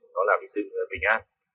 đó là hình sự bình an